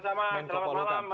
ya sama sama selamat malam mas